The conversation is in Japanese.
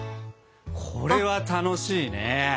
これは楽しいね！